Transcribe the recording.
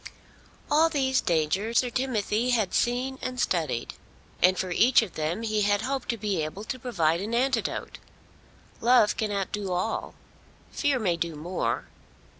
All these dangers Sir Timothy had seen and studied, and for each of them he had hoped to be able to provide an antidote. Love cannot do all. Fear may do more.